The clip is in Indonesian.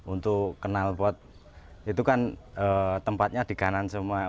untuk kenalpot itu kan tempatnya di kanan semua